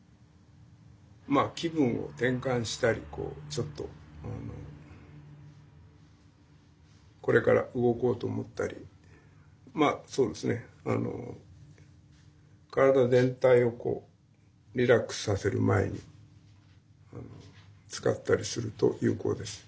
まあ気分を転換したりちょっとこれから動こうと思ったりまあそうですねあの体全体をリラックスさせる前に使ったりすると有効です。